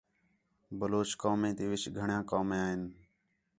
بلوچ قومیں تی وِچ گھݨیاں قومیاں ہِن